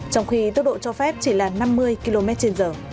trong khi tốc độ cho phép chỉ là năm mươi kmh